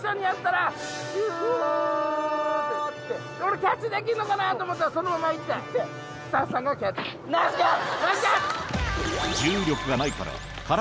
キャッチできんのかなと思ったらそのまま行ってスタッフさんがキャッチ。